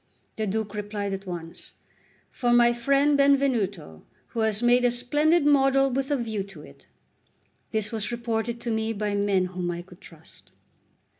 The Duke replied at once: "For my friend Benvenuto, who has made a splendid model with a view to it." This was reported to me by men whom I could trust.